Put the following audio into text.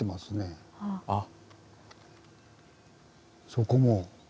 そこも。